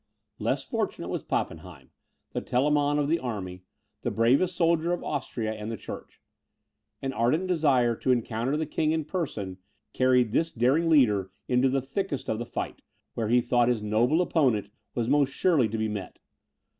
Less fortunate was Pappenheim, the Telamon of the army, the bravest soldier of Austria and the church. An ardent desire to encounter the king in person, carried this daring leader into the thickest of the fight, where he thought his noble opponent was most surely to be met.